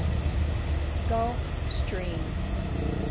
GULF STREAM.